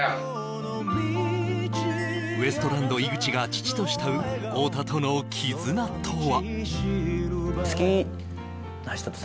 ウエストランド・井口が父と慕う太田との絆とは？